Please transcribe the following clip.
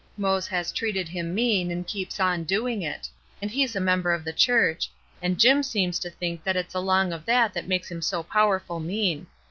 Mose has treated him mean, and keeps on doing it; and he's a member of the church, and Jim seems to think that it's along of that that makes him so powerful mean.